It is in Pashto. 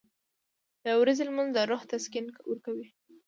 • د ورځې لمونځ د روح تسکین ورکوي.